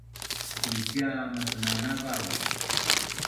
icia masnanava’un